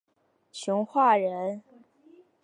熊化人。